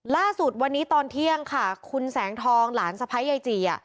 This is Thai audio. ล่าสุดวันนี้ตอนเที่ยงค่ะคุณแสงทองหลานสะพ้ายยายจีอ่ะ